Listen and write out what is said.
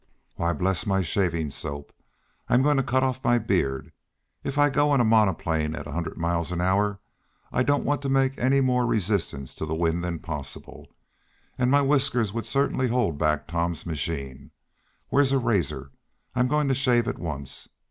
"Why, bless my shaving soap! I'm going to cut off my beard. If I go in a monoplane at a hundred miles an hour I don't want to make any more resistance to the wind than possible, and my whiskers would certainly hold back Tom's machine. Where's a razor? I'm going to shave at once.